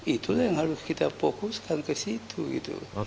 itulah yang harus kita fokuskan ke situ gitu